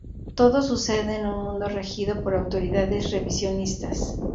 Todo sucede en un mundo regido por autoridades revisionistas.